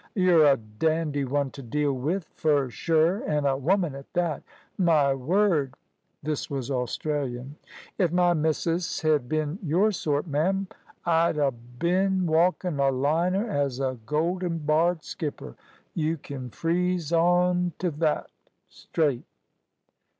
"You're a dandy one t' deal with, fur sure, an' a woman at that. My word" this was Australian "if my missus hed bin your sort, ma'am, I'd ha' bin walkin' a liner as a golden barred skipper. You kin freeze on t' thet, straight."